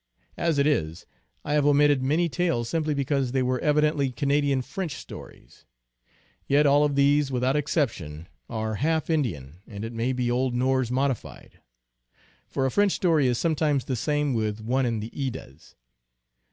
As it is, I have omitted many tales simply because they were evidently Canadian French stories. Yet all of these, without exception, are half 8 INTRODUCTION. Indian, and it may be old Norse modified; for a French story is sometimes the same with one in the Eddas.